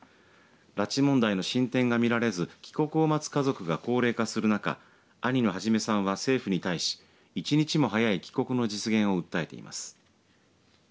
拉致問題の進展が見られず帰国を待つ家族が高齢化する中兄の孟さんは政府に対し１日も早い帰国の実現を訴えています。